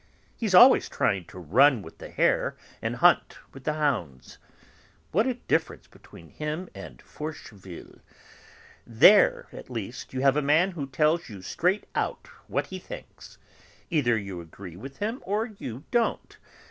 He's always trying to run with the hare and hunt with the hounds. What a difference between him and Forcheville. There, at least, you have a man who tells you straight out what he thinks. Either you agree with him or you don't.